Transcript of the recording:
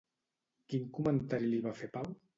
Quin comentari li va fer Pau?